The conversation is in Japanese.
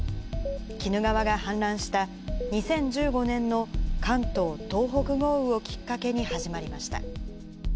鬼怒川が氾濫した、２０１５年の関東・東北豪雨をきっかけに始まりました。